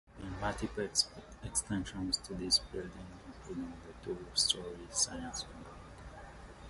There have been multiple extensions to these buildings, including the two-storey science block.